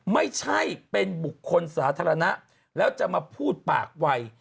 ไม่ใช่เป็นบุคคลสาธารณะแล้วจะมาพูดปากวัย